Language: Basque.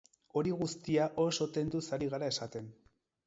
Hori guztia, oso tentuz ari gara esaten.